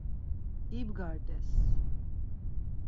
İbgart̆es.